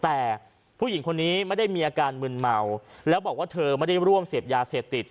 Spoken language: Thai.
แต่ผู้หญิงคนนี้ไม่ได้มีอาการมึนเมาแล้วบอกว่าเธอไม่ได้ร่วมเสพยาเสพติด